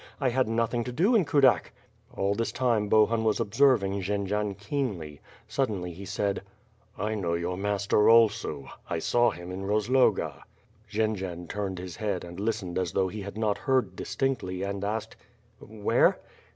1 had nothing to do in Kudak." All this time Bohun was observing Jendzian keenly. Sud denly he said: "I know your master also. I saw him in Kozloga." Jendzian turned his head and listened as though he had not heard distinctly, and asked: "Where?''